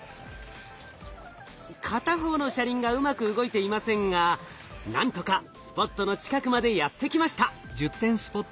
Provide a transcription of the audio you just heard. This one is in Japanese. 片方の車輪がうまく動いていませんがなんとかスポットの近くまでやって来ました。